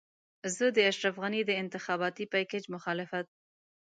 زه د اشرف غني د انتخاباتي پېکج مخالفت.